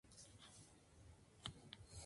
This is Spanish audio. Nakajima luego se disculpó por el incidente.